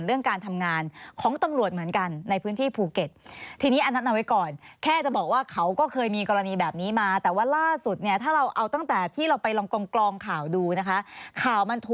เรื่องการทำงานของตำรวจเหมือนกันในพื้นที่ภูเก็ต